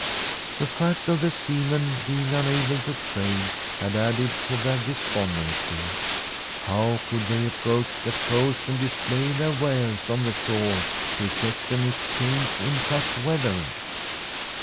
The fact of the seamen being unable to trade had added to their despondency. How could they approach the coast and display their wares on the shore to effect an exchange in such weather